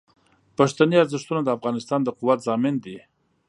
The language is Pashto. پښتني ارزښتونه د افغانستان د قوت ضامن دي.